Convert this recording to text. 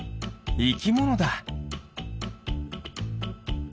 いきものだ。